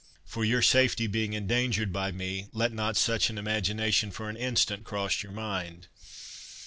For your safety being endangered by me, let not such an imagination for an instant cross your mind.